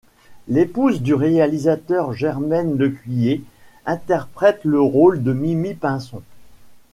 L'épouse du réalisateur, Germaine Lecuyer, interprète le rôle de Mimi-Pinson.